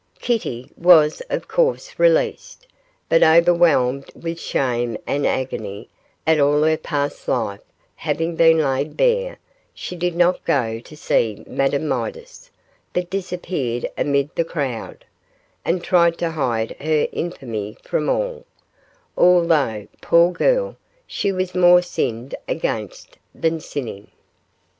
Kitty was of course released, but overwhelmed with shame and agony at all her past life having been laid bare, she did not go to see Madame Midas, but disappeared amid the crowd, and tried to hide her infamy from all, although, poor girl, she was more sinned against than sinning.